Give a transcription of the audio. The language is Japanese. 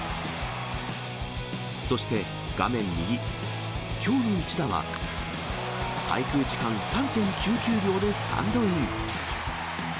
そして画面右、きょうの一打は滞空時間３．９９秒でスタンドイン。